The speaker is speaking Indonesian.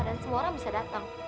dan semua orang bisa datang